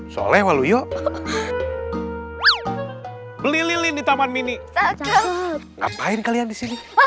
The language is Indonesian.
beli lilin di taman mini ngapain kalian di sini